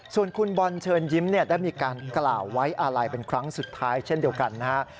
ส่วนคุณบอลเชิญยิ้มได้มีการกล่าวไว้อาลัยเป็นครั้งสุดท้ายเช่นเดียวกันนะฮะ